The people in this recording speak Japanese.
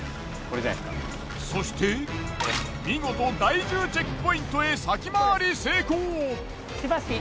そして見事第１０チェックポイントへ先回り成功。